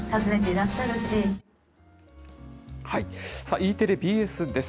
Ｅテレ、ＢＳです。